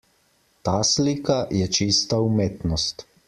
Ta slika je čista umetnost.